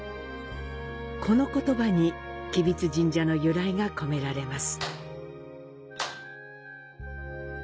この言葉に吉備津神社の由来が込められます。